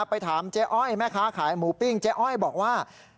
ไปถามเจ๊อ้อยแม่ค้าขายหมูปิ้งเจ๊อ้อยบอกว่า